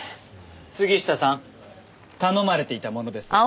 杉下さん頼まれていたものです。